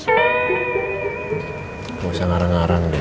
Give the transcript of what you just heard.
nggak usah ngarang ngarang deh